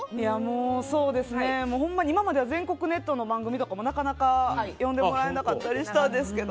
そうですね、今までは全国ネットの番組とかなかなか呼んでもらえなかったりしたんですけど。